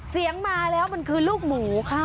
เสียงมาแล้วมันคือลูกหมูค่ะ